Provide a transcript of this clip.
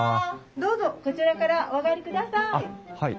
どうぞこちらからお上がりください。